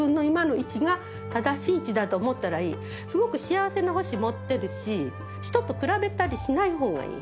すごく幸せな星持ってるし人と比べたりしない方がいい。